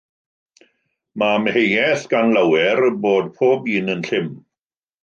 Mae amheuaeth gan lawer bod pob un yn llym.